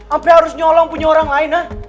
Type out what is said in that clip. ampe harus nyolong punya orang lain ah